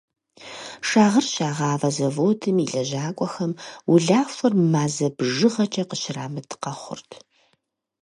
Шагъыр щагъавэ зэводым и лэжьакӏуэхэм улахуэр мазэ бжыгъэкӏэ къыщырамыт къэхъурт.